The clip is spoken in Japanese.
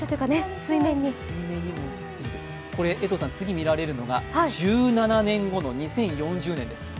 次に見られるのが１７年後の２０４０年です。